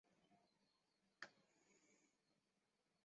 它们的游水速度很快。